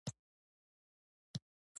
_کوم کار مو سم دی؟